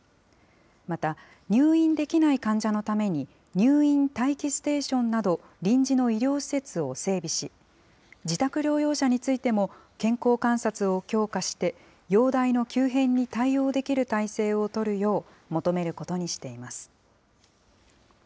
また、入院できない患者のために入院待機ステーションなど、臨時の医療施設を整備し、自宅療養者についても、健康観察を強化して、容体の急変に対応できる体制を取るよう求めることにしています。